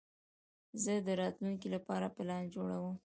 زه د راتلونکي لپاره پلان جوړوم.